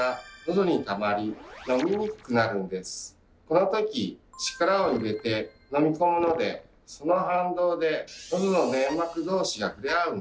この時力を入れて飲み込むのでその反動でのどの粘膜同士が触れ合うんですね。